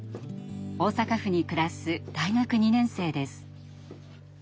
大阪府に暮らす大学２年生です。